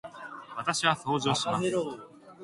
私は掃除をします。